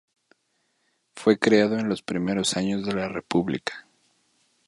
Fue creado en los primeros años de la República.